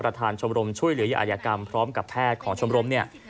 ชมรมช่วยเหลืออายกรรมพร้อมกับแพทย์ของชมรมเนี่ย